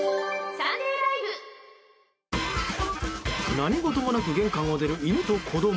何事もなく玄関を出る犬と子供。